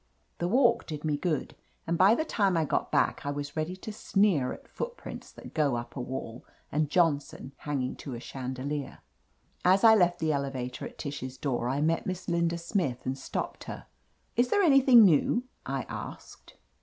The walk did me good, and by the time I got back I was ready to sneer at footprints that go up a wall and Johnson hanging to a chandelier. As I left the elevator at Tish's door, I met Miss Linda Smith and stopped her. "Is there anything new?" I asked.